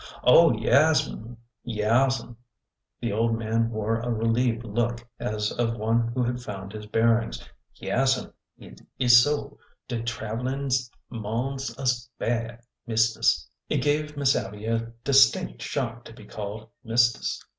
Oh, yaas'm ! yaas'm !" The old man wore a relieved look, as of one who had found his bearings. Yaas'm, hit is so. De travelin' 's mons'us bad, mistis." It gave Miss Abby a distinct shock to be called mis tis."